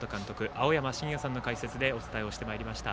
青山眞也さんの解説でお伝えしてまいりました。